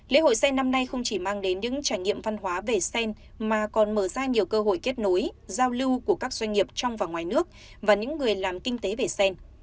lễ hội sen năm nay không chỉ mang đến những trải nghiệm văn hóa về sen mà còn mở ra nhiều cơ hội kết nối giao lưu của các doanh nghiệp trong và ngoài nước và những người làm kinh tế về sen